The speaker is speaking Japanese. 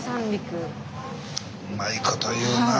うまいこと言うなあ。